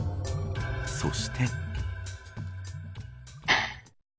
そして。